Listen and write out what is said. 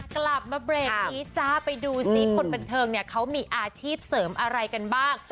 กลับมาเบรกนี้จ้าไปดูซิคนบันเทิงเนี่ยเขามีอาชีพเสริมอะไรกันบ้าง